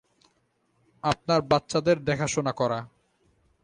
আপনার বাচ্চাদের দেখাশোনা করা।